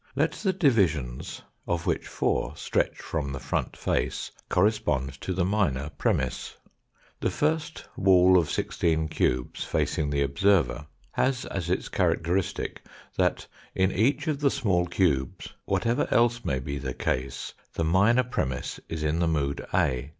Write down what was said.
Let the divisions, of which four stretch from the front face, correspond to the minor premiss. The first wall of sixteen cubes, facing the observer, has as its characteristic that in each of the small cubes, whatever else may be the case, the minor premiss is in the mood A.